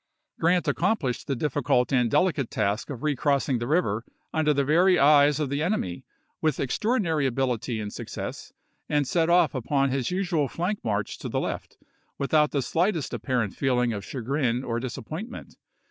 Grant accomphshed the difficult and delicate task of recrossing the river under the very eyes of the enemy with extraordinary ability and success, and set off upon his usual flank march to the left, with out the sUghtest apparent feeling of chagi'in or dis appointment.